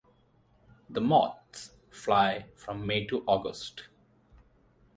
The moths fly from May to August.